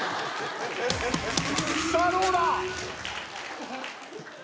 さあどうだ